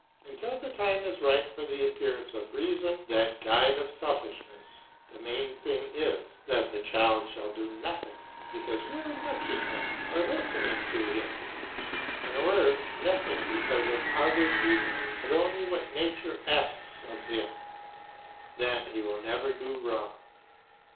Until the time is ripe for the appearance of reason, that guide of selfishness, the main thing is that the child shall do nothing because you are watching him or listening to him; in a word, nothing because of other people, but only what nature asks of him; then he will never do wrong.